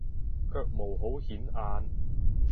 腳毛好顯眼